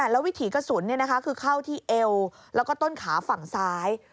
แล้ววิถีกระสุนคือเข้าที่เอวแล้วก็ต้นขาฝั่งซ้าย